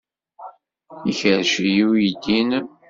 Ikerrec-iyi uydi-nnem.